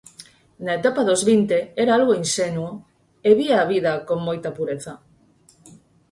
Na etapa dos vinte, era algo inxenuo e vía a vida con moita pureza.